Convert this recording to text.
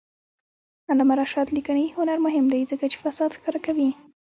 د علامه رشاد لیکنی هنر مهم دی ځکه چې فساد ښکاره کوي.